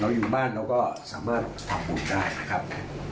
อยู่บ้านเราก็สามารถทำบุญได้นะครับ